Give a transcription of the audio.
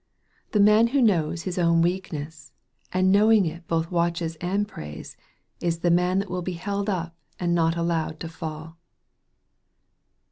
The man who knows his own weakness, and knowing it both watches and prays, is the man that will be held up and not allowed to fall.